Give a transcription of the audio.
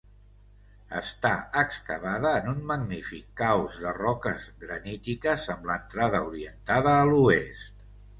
Està excavada en un magnífic caos de roques granítiques, amb l'entrada orientada a l'oest.